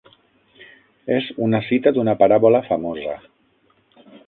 És una cita d'una paràbola famosa.